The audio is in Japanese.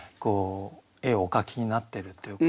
絵をお描きになってるというか。